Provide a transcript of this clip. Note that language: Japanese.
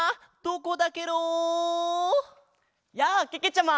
やあけけちゃま！